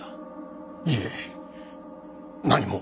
いえ何も。